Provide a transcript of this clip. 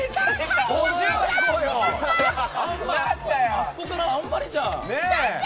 あそこからあんまりじゃん！